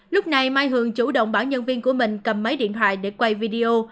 lúc này mai hường chủ động bảo nhân viên của mình cầm máy điện thoại để quay video